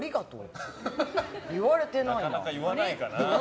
なかなか言わないかな。